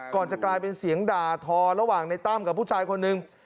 ก่อนจะกลายเป็นเสียงด่าทอระหว่างในตั้มกับผู้ชายคนหนึ่ง